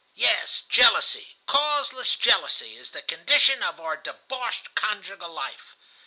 "Yes, jealousy, causeless jealousy, is the condition of our debauched conjugal life.